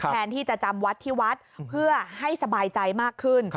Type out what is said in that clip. แทนที่จะจำวัดที่วัดเพื่อให้สบายใจมากขึ้น